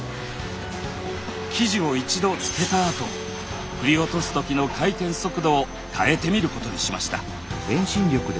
生地を一度漬けたあと振り落とすときの回転速度を変えてみることにしました。